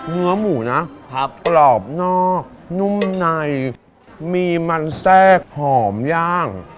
เนื้อหมูนะกรอบนอกนุ่มในมีมันแทรกหอมย่าง